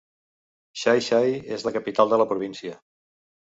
Xai-Xai és la capital de la província.